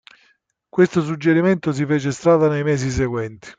Questo suggerimento si fece strada nei mesi seguenti.